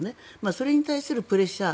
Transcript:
それに対するプレッシャー